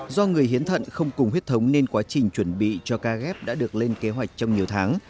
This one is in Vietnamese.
do người hiến thận không cùng huyết thống nên quá trình chuẩn bị cho ca ghép đã được lên kế hoạch trong nhiều tháng